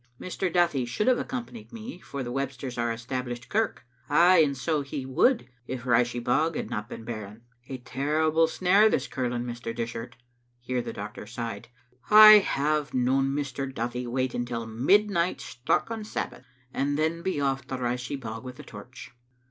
Mr. Duthie should have accompanied me, for the Websters are Established Kirk ; ay, and so he would if Rashie bog had not been bearing. A terri ble snare this curling, Mr. Dishart" — here the doctor sighed — "I have known Mr. Duthie wait until mid night struck on Sabbath and then be off to Rashie bog with a torch."